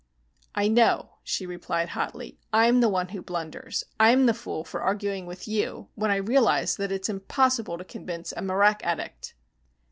"I know," she replied hotly. "I'm the one who blunders. I'm the fool, for arguing with you, when I realize that it's impossible to convince a marak addict."